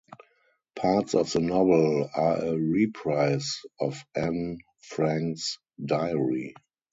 Parts of the novel are a reprise of Anne Frank's Diary.